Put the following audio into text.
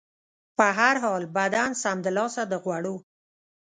په هر حال، بدن سمدلاسه د غوړو